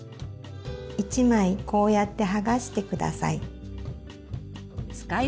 一枚こうやって剥がして下さい。